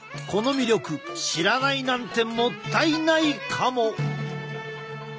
この魅力知らないなんてもったいないかも！